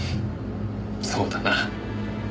そうだな。